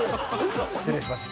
失礼しました。